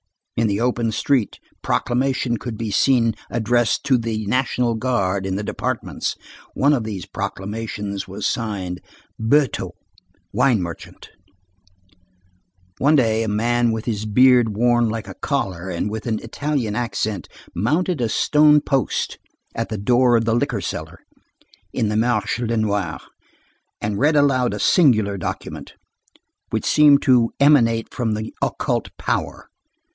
In the open street, proclamation could be seen addressed to the National Guard in the departments. One of these proclamations was signed: Burtot, wine merchant. One day a man with his beard worn like a collar and with an Italian accent mounted a stone post at the door of a liquor seller in the Marché Lenoir, and read aloud a singular document, which seemed to emanate from an occult power.